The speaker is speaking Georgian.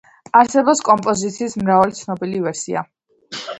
არსებობს კომპოზიციის მრავალი ცნობილი ვერსია.